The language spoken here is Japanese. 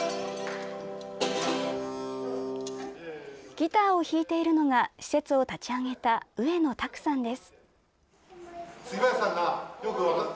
ギターを弾いているのが施設を立ち上げた上野拓さんです。